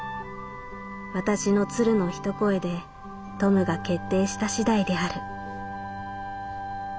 私の鶴の一声でトムが決定した次第である」。